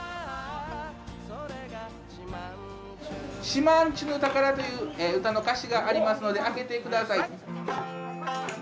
「島人ぬ宝」という歌の歌詞がありますので開けて下さい。